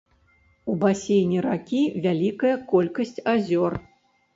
У басейне ракі вялікая колькасць азёр.